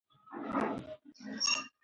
زه غواړم ستا د غږ رڼا ته ورسېږم.